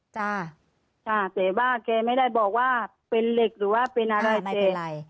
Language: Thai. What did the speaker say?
จ้าจ้ะแต่ว่าแกไม่ได้บอกว่าเป็นเหล็กหรือว่าเป็นอะไรแต่